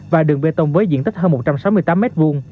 và đường bê tông với diện tích hơn một trăm sáu mươi tám m hai